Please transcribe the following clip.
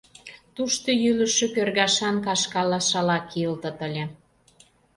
Тушто йӱлышӧ кӧргашан кашкала шала кийылтыт ыле.